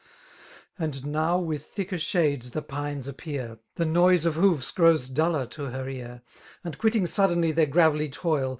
And now with thicker shades the pines appear; The noise of hoofs grows duller to her ear; And quitting suddenly their gravelly toil.